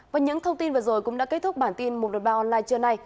và những thông tin vừa rồi cũng đã kết thúc bản tin một đồn bà online trưa nay